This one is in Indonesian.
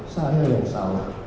saya yang salah